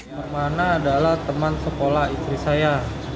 pak permana adalah teman sekolah istri saya